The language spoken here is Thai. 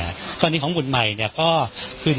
ของหมุดหมายเนี่ยก็ทำจริงจริงแล้วเนี่ย